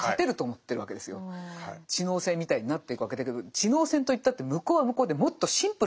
知能戦みたいになっていくわけだけど知能戦といったって向こうは向こうでもっとシンプルな構造なわけですから。